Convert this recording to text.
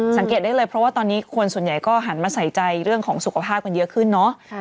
สังเกตได้เลยเพราะว่าตอนนี้คนส่วนใหญ่ก็หันมาใส่ใจเรื่องของสุขภาพกันเยอะขึ้นเนาะ